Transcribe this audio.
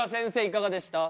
いかがでした？